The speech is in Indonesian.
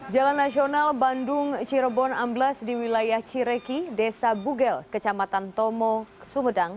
jalan nasional bandung cirebon amblas di wilayah cireki desa bugel kecamatan tomo sumedang